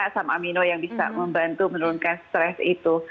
asam amino yang bisa membantu menurunkan stres itu